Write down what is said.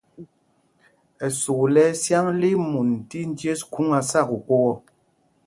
Ɛsûk lɛ ɛsyǎŋ li í mun tí njes khûŋ á sá kokō ɔ.